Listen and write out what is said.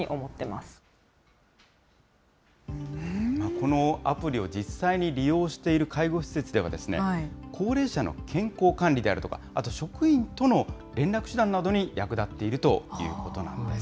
このアプリを実際に利用している介護施設では、高齢者の健康管理であるとか、あと職員との連絡手段などに役立っているということなんです。